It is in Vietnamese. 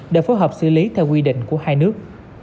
để phối hợp xử lý theo quy định của hai nước